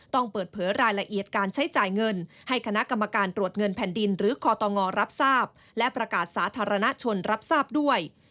ต้องเปิดเผยรายละเอียดการใช้จ่ายเงินให้คณะกรรมการตรวจเงินแผ่นดินหรือคอตงรับทราบและประกาศสาธารณชนรับทราบด้วย